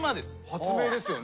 発明ですよね。